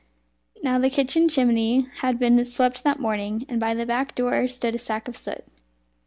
Now the kitchen chimney had been swept that morning, and by the back door stood a sack of soot.